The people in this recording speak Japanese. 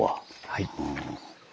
はい。